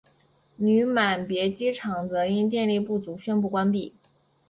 女满别机场则因电力不足宣布关闭。